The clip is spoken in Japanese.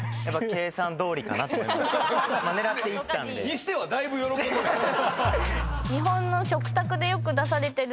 にしてはだいぶ喜んでた。